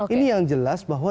ini yang jelas bahwa